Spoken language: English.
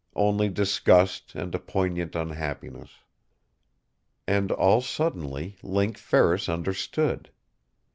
Only disgust and a poignant unhappiness. And, all suddenly, Link Ferris understood.